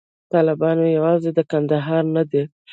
طالبان یوازې د کندهار نه دي.